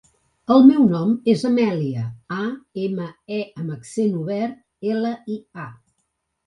El meu nom és Amèlia: a, ema, e amb accent obert, ela, i, a.